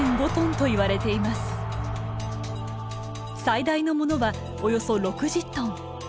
最大のものはおよそ６０トン。